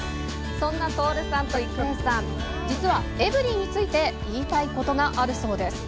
そんな徹さんと郁恵さん、実はエブリィについて言いたいことがあるそうです。